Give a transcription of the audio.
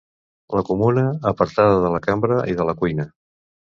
La comuna, apartada de la cambra i de la cuina.